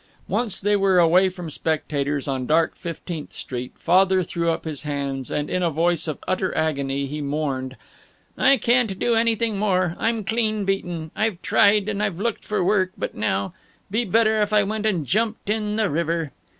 Once they were away from spectators, on dark Fifteenth Street, Father threw up his hands and in a voice of utter agony he mourned, "I can't do anything more. I'm clean beaten. I've tried, and I've looked for work, but now Be better if I went and jumped in the river."